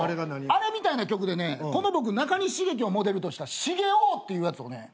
あれみたいな曲でねこの僕中西茂樹をモデルとした『茂王』っていうやつをね